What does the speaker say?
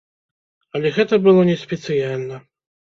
Але гэта было не спецыяльна.